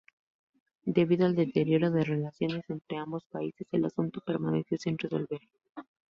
Debido al deterioro de relaciones entre ambos países, el asunto permaneció sin resolverse.